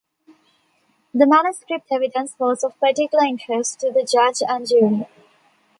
The manuscript evidence was of particular interest to the judge and jury.